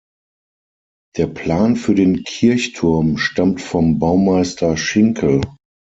Der Plan für den Kirchturm stammt vom Baumeister Schinkel.